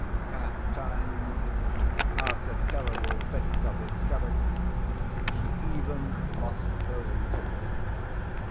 At times after terrible fits of hysterics she even lost her reason.